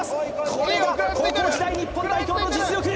これが高校時代日本代表の実力